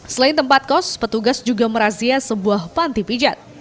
selain tempat kos petugas juga merazia sebuah panti pijat